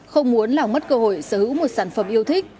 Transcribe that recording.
không muốn làm mất cơ hội sở hữu một sản phẩm yêu thích